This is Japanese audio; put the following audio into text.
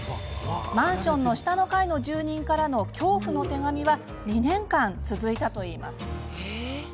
マンションの下の階の住人からの恐怖の手紙は２年間、続いたといいます。